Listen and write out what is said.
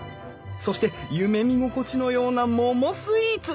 そして夢見心地のような桃スイーツ！